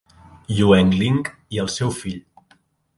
Yuengling i el seu fill.